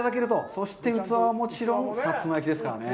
そして器はもちろん薩摩焼ですからね。